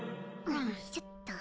よいしょっと。